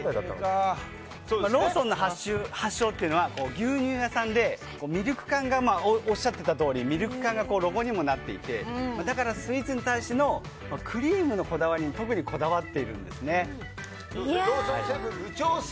ローソンの発祥は牛乳屋さんでおっしゃっていたとおりミルク缶がロゴにもなっていてだからスイーツに対してのクリームに特にこだわっているんですね。